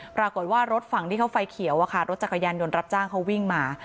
ปรากฏว่ารถฝั่งที่เขาไฟเขียวรถจักรยานยนต์รับจ้างเขาวิ่งมา